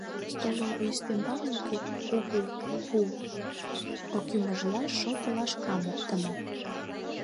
Столовый ӱстембалне кугу пу кӱмыжлаш шопо лашкам оптымо.